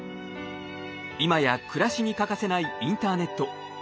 今や暮らしに欠かせないインターネット。